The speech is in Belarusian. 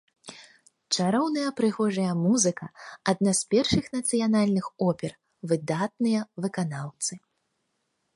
Чароўная прыгожая музыка, адна з першых нацыянальных опер, выдатныя выканаўцы.